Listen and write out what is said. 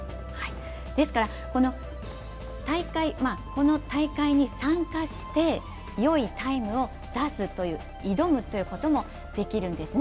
ですから、この大会に参加してよいタイムを出す、挑むこともできるんですね。